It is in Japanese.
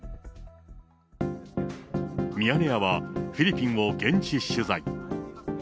ミヤネ屋は、フィリピンを現地取材。